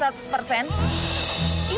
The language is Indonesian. ini tuh semua bukti kan